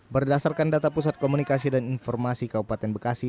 berdasarkan data pusat komunikasi dan informasi kabupaten bekasi